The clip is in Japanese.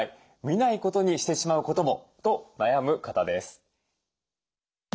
見ないことにしてしまうこともと悩む方です。